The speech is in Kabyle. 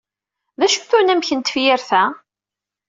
D acu-t unamek n tefyirt-a?